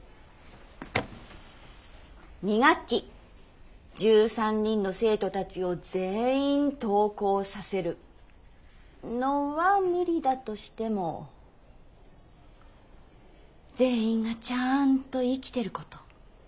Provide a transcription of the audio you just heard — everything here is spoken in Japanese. ２学期１３人の生徒たちを全員登校させるのは無理だとしても全員がちゃんと生きてること。